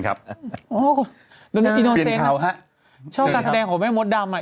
โตโจโหลละ